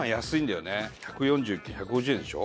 １４９円１５０円でしょ？